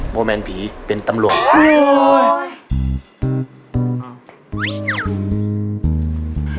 โมแมนผีเป็นตำรวจ